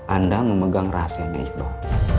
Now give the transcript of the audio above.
anda memegang rahasianya iqbal